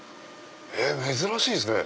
珍しいですね。